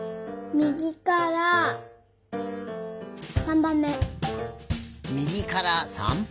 みぎから３ばんめ？